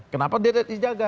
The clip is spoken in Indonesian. kenapa dia tidak dijaga